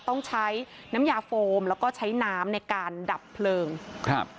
ต้องใช้น้ำยาโฟมแล้วก็ใช้น้ำในการดับเพลิงครับ